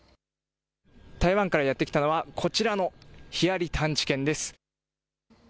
台湾からやって来たのはこちらのヒアリ探知犬です。